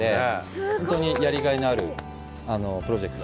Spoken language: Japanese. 本当にやりがいのあるプロジェクト。